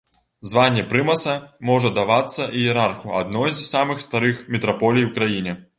Званне прымаса можа давацца іерарху адной з самых старых мітраполій у краіне.